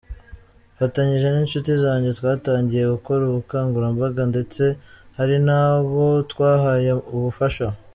Mfatanyije n’inshuti zanjye twatangiye gukora ubukangurambaga ndetse hari n’abo twahaye ubufasha”.